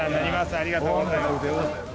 ありがとうございます。